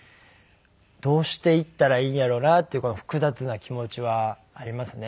どうしていったらいいんやろなっていうこの複雑な気持ちはありますね。